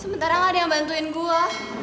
sementara gak ada yang bantuin gue